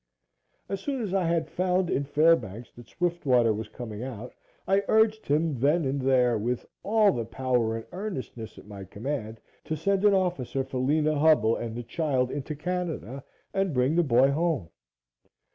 As soon as I had found in Fairbanks that Swiftwater was coming out, I urged him then and there, with all the power and earnestness at my command, to send an officer for Lena Hubbell and the child into Canada and bring the boy home.